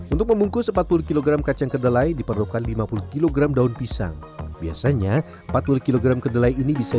untuk membungkus empat puluh kg kacang kedelai diperlukan lima puluh kg daun pisang biasanya empat puluh kg kedelai ini bisa